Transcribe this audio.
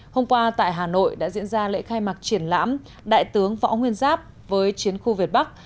hôm qua tại hà nội đã diễn ra lễ khai mạc triển lãm đại tướng võ nguyên giáp với chiến khu việt bắc